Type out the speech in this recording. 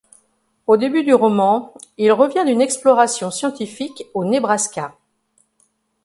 Au début du roman, il revient d'une exploration scientifique au Nebraska.